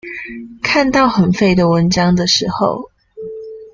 看到很廢的文章的時候